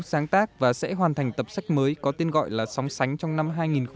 sáng tác và sẽ hoàn thành tập sách mới có tên gọi là sóng sánh trong năm hai nghìn hai mươi